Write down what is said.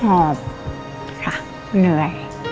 เหนื่อย